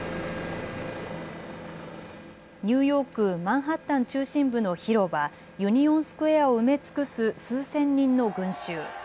ニューヨーク、マンハッタン中心部の広場、ユニオンスクエアを埋め尽くす数千人の群集。